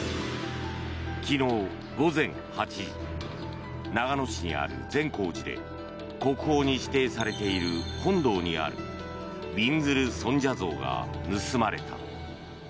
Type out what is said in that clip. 昨日午前８時長野市にある善光寺で国宝に指定されている本堂にあるびんずる尊者像が盗まれた。